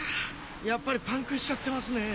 やっぱりパンクしちゃってますね。